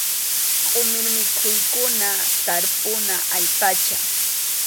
Qʼumir mikhuykuna tarpuna allpacha.